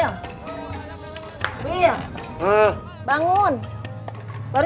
ya udah kita pulang dulu aja